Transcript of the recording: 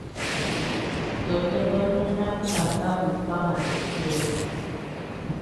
Hiɔtɔtɔ hɛ̀ nà faka ù fama niɔ̀fɛna.